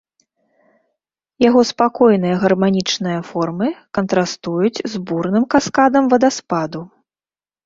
Яго спакойныя гарманічныя формы кантрастуюць з бурным каскадам вадаспаду.